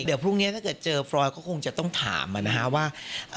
เดี๋ยวพรุ่งนี้ถ้าเกิดเจอฟรอยก็คงจะต้องถามนะฮะว่า